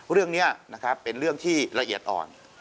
เรื่องนี้นะครับเป็นเรื่องที่ละเอียดอ่อน